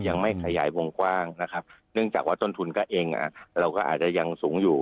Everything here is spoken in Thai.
ยังไม่ขยายวงกว้างนะครับเนื่องจากว่าต้นทุนก็เองเราก็อาจจะยังสูงอยู่